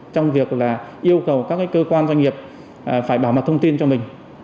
trong việc là yêu cầu các cơ quan doanh nghiệp phải bảo mật thông tin cho mình